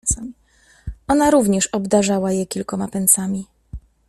Ona również obdarzała je kilkoma pensami…